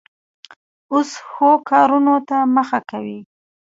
اوس ښو کارونو ته مخه کوي.